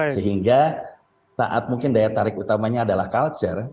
sehingga taat mungkin daya tarik utamanya adalah culture